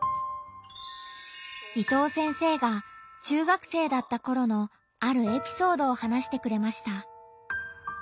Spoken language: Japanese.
伊藤先生が中学生だったころのあるエピソードを話してくれました。